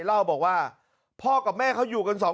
เล่าบอกว่าพ่อกับแม่เขาอยู่กันสองคน